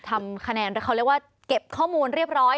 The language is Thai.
ทำคะแนนเขาเรียกว่าเก็บข้อมูลเรียบร้อย